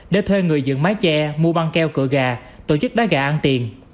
để thuê người dựng mái che mua băng keo cựa gà tổ chức đá gà ăn tiền